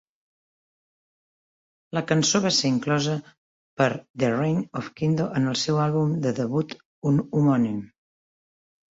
La cançó va ser inclosa per The Reign of Kindo en el seu àlbum de debut homònim.